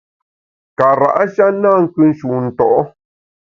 Kara’ sha na nkù nshu nto’.